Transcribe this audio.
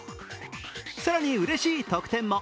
更にうれしい特典も。